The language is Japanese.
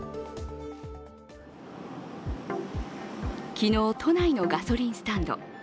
昨日、都内のガソリンスタンド。